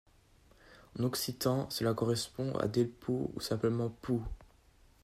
En occitan, cela correspond à Delpoux ou simplement Pous.